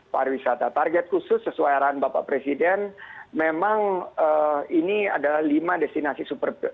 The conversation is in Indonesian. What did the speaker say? pariwisata target khusus sesuai arahan bapak presiden memang ini adalah lima destinasi super